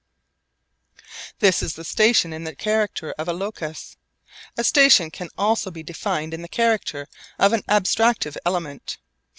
This is the station in the character of a locus. A station can also be defined in the character of an abstractive element.